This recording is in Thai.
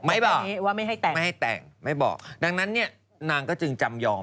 ไม่บอกไม่ให้แต่งไม่บอกดังนั้นเนี่ยนางก็จึงจำยอม